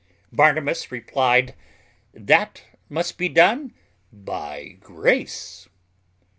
Barnabas replied, "That must be done by grace."